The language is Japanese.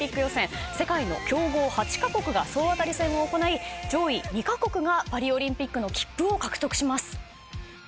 世界の強豪８カ国が総当たり戦を行い上位２カ国がパリオリンピックの切符を獲得します。